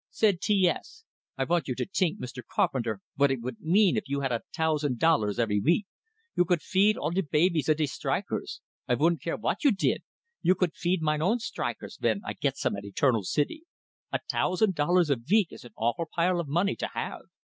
Said T S: "I vant you to tink, Mr. Carpenter, vot it vould mean if you had a tousand dollars every week. You could feed all de babies of de strikers. I vouldn't care vot you did you could feed my own strikers, ven I git some at Eternal City. A tousand dollars a veek is an awful pile o' money to have!"